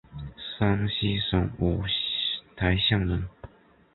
山西省五台县人。